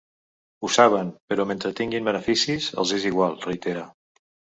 Ho saben, però mentre tinguin beneficis, els és igual, reitera.